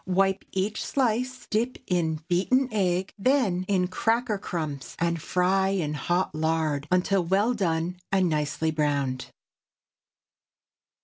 Wipe each slice, dip in beaten egg, then in cracker crumbs, and fry in hot lard until well done and nicely browned.